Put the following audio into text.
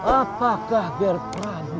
apakah ger pradu